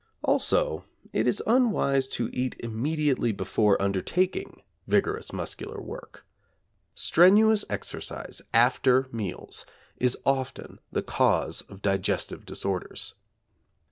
Also it is unwise to eat immediately before undertaking vigorous muscular work. Strenuous exercise after meals is often the cause of digestive disorders.